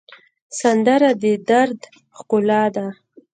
سندره د دَرد ښکلا ده